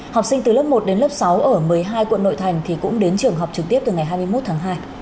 học sinh từ lớp một đến lớp sáu ở một mươi hai quận nội thành thì cũng đến trường học trực tiếp từ ngày hai mươi một tháng hai